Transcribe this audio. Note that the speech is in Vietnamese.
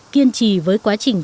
kiên trì với quá trình